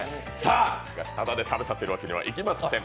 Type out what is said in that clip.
しかし、ただで食べさせるわけには行きません！